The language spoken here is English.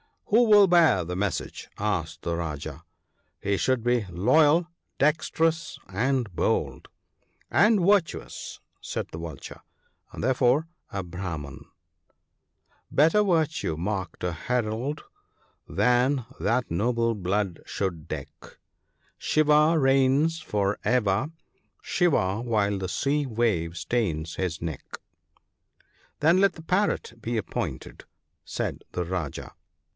' Who will bear the message ?' asked the Rajah. ' He should be loyal, dexterous, and bold.' ' And virtuous/ said the Vulture, ' and therefore a Brahman :—" Better Virtue marked a herald than that noble blood should deck ; Shiva reigns for ever Shiva while the sea wave stains his neck ( 80 )."' Then let the Parrot be appointed/ said the Rajah.